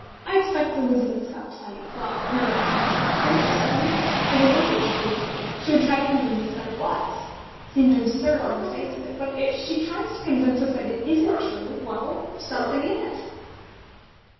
I expect Elizabeth's got plenty well, never mind that. Don't you see? If it wasn't true she would try to convince us that it was. Seemed absurd on the face of it. But if she tries to convince us that it isn't true well, something in it."